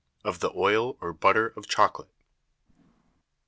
Of the Oil or Butter of Chocolate.